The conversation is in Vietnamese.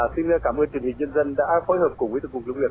xin cảm ơn truyền hình nhân dân đã phối hợp cùng với tổng cục lâm nghiệp